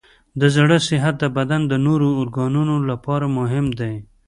د زړه صحت د بدن د نورو ارګانونو لپاره مهم دی.